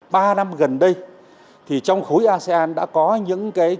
trong thời gian gần đây trong khối asean đã có những kinh tế thế giới